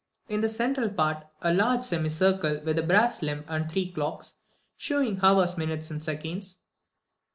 _ 17. In the central part, a large semicircle, with a brass limb, and three clocks, shewing hours, minutes, and seconds.